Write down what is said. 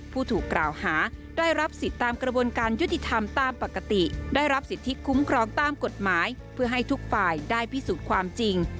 ผู้ถูกกล่าวหาได้รับสิทธิ์ตามกระบวนการยุติธรรมตามปกติได้รับสิทธิคุ้มครองตามกฎหมายเพื่อให้ทุกฝ่ายได้พิสูจน์ความจริง